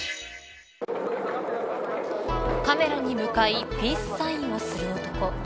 カメラに向かいピースサインをする男。